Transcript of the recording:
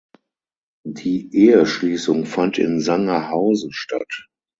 Die Eheschließung fand in Sangerhausen statt.